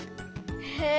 へえ。